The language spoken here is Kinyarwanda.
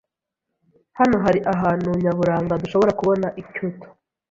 Hano hari ahantu nyaburanga dushobora kubona i Kyoto.